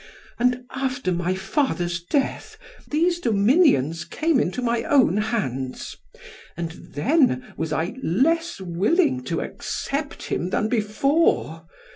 And after my father's death, these dominions came into my own hands, and then was I less willing to accept him than before.